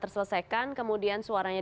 terselesaikan kemudian suaranya